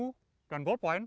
saya melayangkan permohonan data